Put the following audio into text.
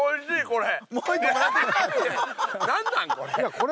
これ。